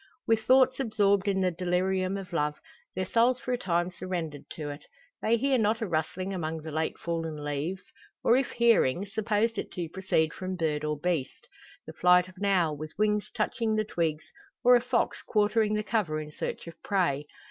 With thoughts absorbed in the delirium of love, their souls for a time surrendered to it, they hear not a rustling among the late fallen leaves; or, if hearing, supposed it to proceed from bird or beast the flight of an owl, with wings touching the twigs; or a fox quartering the cover in search of prey.